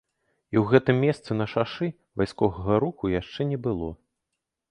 І ў гэтым месцы на шашы вайсковага руху яшчэ не было.